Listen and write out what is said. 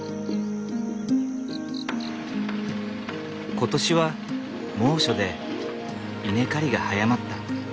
今年は猛暑で稲刈りが早まった。